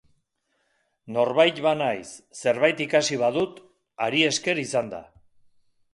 Norbait banaiz, zerbait ikasi badut, hari esker izan da.